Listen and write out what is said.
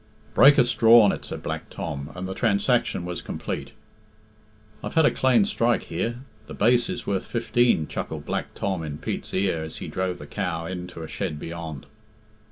"Break a straw on it," said Black Tom; and the transaction was complete. "I've had a clane strike here the base is worth fifteen," chuckled Black Tom in Pete's ear as he drove the cow in to a shed beyond.